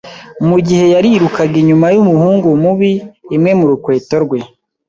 Mugihe yarirukaga inyuma yumuhungu mubi, imwe murukweto rwe.